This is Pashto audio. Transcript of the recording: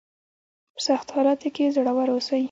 په سختو حالاتو کې زړور اوسئ.